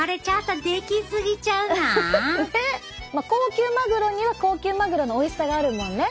高級マグロには高級マグロのおいしさがあるもんね。